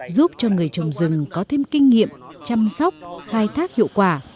giúp cho người trồng rừng có thêm kinh nghiệm chăm sóc khai thác hiệu quả